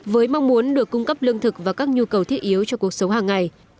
với mong muốn được cung cấp lương thực và các nhu cầu thiết yếu cho cuộc sống hàng ngày